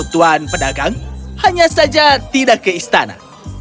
tuan pedagang hanya saja tidak ke istana